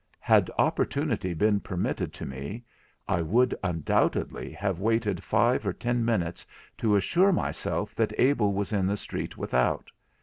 Had opportunity been permitted to me, I would, undoubtedly, have waited five or ten minutes to assure myself that Abel was in the street without.